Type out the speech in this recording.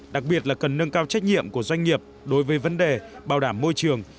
đặc biệt là cần nâng cao trách nhiệm của doanh nghiệp đối với vấn đề bảo đảm môi trường